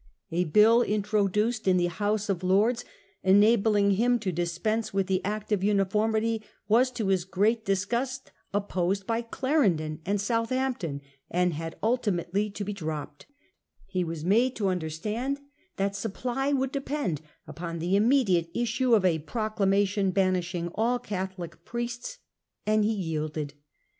A bill introduced in the House of Lords enabling him to dispense with the Act of Uni formity was to his great disgust opposed by Clarendon and Southampton, and had ultimately to be dropped. Charles He was ma de to understand that supply compelled would depend upon the immediate issue of a to banish ..,*...,,„, the Catholic proclamation banishing all Catholic priests, priests. an( j j ie yielded.